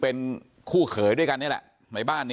เพราะไม่เคยถามลูกสาวนะว่าไปทำธุรกิจแบบไหนอะไรยังไง